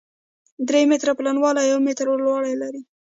درې متره پلنوالی او يو متر لوړوالی لري،